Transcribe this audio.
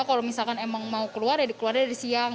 kalau misalkan emang mau keluar ya keluarnya dari siang